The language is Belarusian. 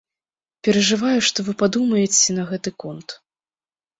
Перажываю, што вы падумаеце на гэты конт.